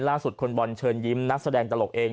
ล่าสุดคุณบอลเชิญยิ้มนักแสดงตลกเอง